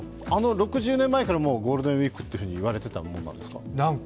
６０年前からゴールデンウイークって言われてたものなんですか？